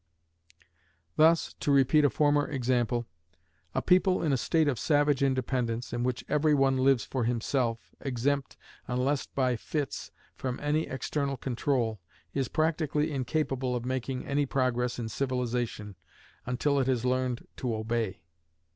Thus (to repeat a former example), a people in a state of savage independence, in which every one lives for himself, exempt, unless by fits, from any external control, is practically incapable of making any progress in civilization until it has learned to obey.